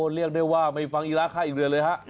เรียกได้ว่าไม่ฟังอีราค่าอีกเรือนเลยฮะ